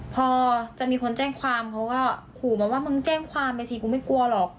พอจะมีคนแจ้งความเขาก็ขู่มาว่ามึงแจ้งความเลยสิกูไม่กลัวหรอก